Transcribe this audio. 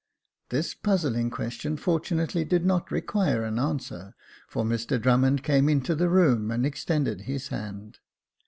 This puzzling question fortunately did not require an answer, for Mr Drummond came into the room and ex tended his hand.